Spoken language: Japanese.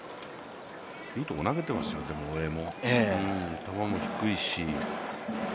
いいところ投げていますよ、大江も、球も低いし。